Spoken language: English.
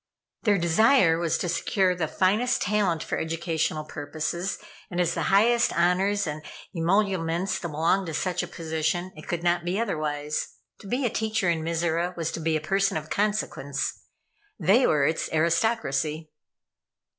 Their desire was to secure the finest talent for educational purposes, and as the highest honors and emoluments belonged to such a position, it could not be otherwise. To be a teacher in Mizora was to be a person of consequence. They were its aristocracy.